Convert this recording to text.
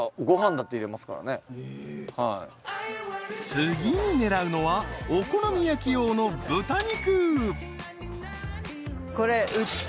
［次に狙うのはお好み焼き用の豚肉］